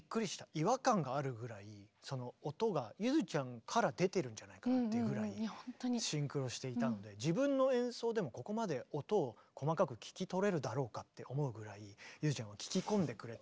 違和感があるぐらいその音がゆづちゃんから出てるんじゃないかなっていうぐらいシンクロしていたので自分の演奏でもここまで音を細かく聞き取れるだろうかって思うぐらいゆづちゃんは聞き込んでくれた。